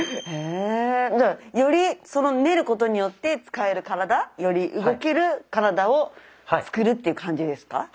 じゃあより練ることによって使える体より動ける体を作るっていう感じですか？